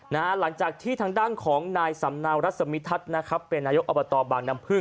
หลังจากที่ทางด้านของนายสำเนารัศมิทัศน์นะครับเป็นนายกอบตบางน้ำพึ่ง